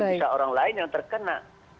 bisa orang lain yang terkena